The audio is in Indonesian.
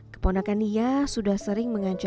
keponakan nia sudah sering mengancam nia